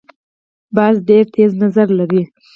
باز ډیر تېز نظر لري